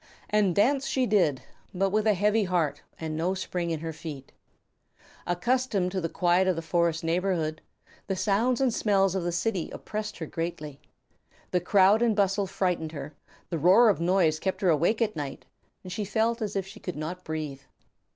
And dance she did, but with a heavy heart and no spring in her feet. Accustomed to the quiet of the forest neighborhood, the sounds and smells of the city oppressed her greatly. The crowd and bustle frightened her, the roar of noise kept her awake at night, she felt as if she could not breathe.